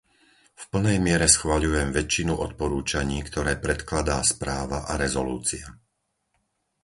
V plnej miere schvaľujem väčšinu odporúčaní, ktoré predkladá správa a rezolúcia.